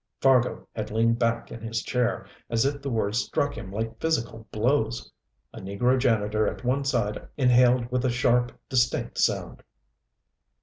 Fargo had leaned back in his chair, as if the words struck him like physical blows. A negro janitor at one side inhaled with a sharp, distinct sound.